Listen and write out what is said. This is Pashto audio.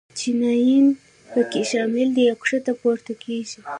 چینایي ین په کې شامل دي او ښکته پورته کېږي.